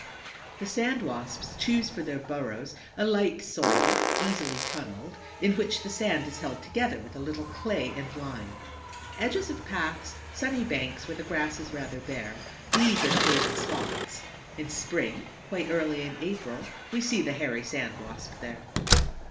The Sand Wasps choose for their burrows a light soil, easily tunneled, in which the sand is held together with a little clay and lime. Edges of paths, sunny banks where the grass is rather bare—these are the favorite spots. In spring, quite early in April, we see the Hairy Sand Wasp there.